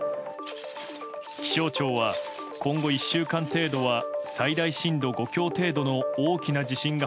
気象庁は、今後１週間程度は最大震度５強程度の大きな地震が